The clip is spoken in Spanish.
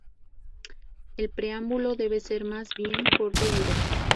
El "preámbulo" debe ser más bien corto y directo.